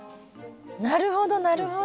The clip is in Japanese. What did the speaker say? なるほどなるほど。